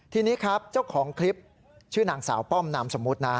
ทีนี้ครับเจ้าของคลิปชื่อนางสาวป้อมนามสมมุตินะ